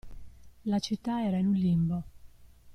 La città era in un limbo.